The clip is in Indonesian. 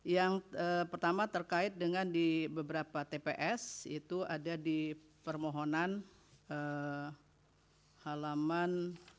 yang pertama terkait dengan di beberapa tps itu ada di permohonan halaman satu ratus tiga puluh empat